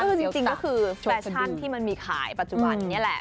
ก็คือจริงก็คือแฟชั่นที่มันมีขายปัจจุบันนี้แหละ